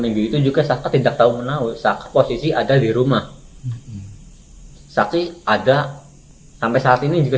minggu itu juga saksi tidak tahu menahu posisi ada di rumah saksi ada sampai saat ini juga